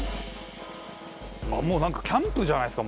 カズレーザー：もう、なんかキャンプじゃないですか